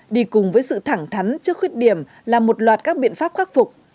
đi cùng với sự thẳng thắn trước khuyết điểm là một loạt các biện pháp khắc phục